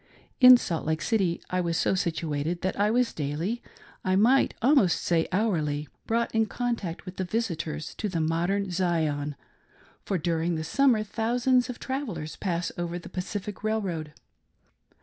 In' Salt Lake City, I was so situated that I was daily — I might almost say hourly — brought in contact with visitors to the Modern Zion ; for, during the summer, thousands of travellers pass over the Pacific Railroad.